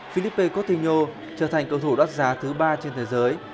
filipe coutinho trở thành cầu thủ đắt giá thứ ba trên thế giới